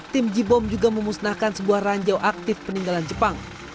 tim jibom juga memusnahkan sebuah ranjau aktif peninggalan jepang